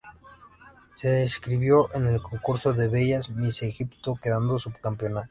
Se inscribió en el concurso de belleza Miss Egipto quedando subcampeona.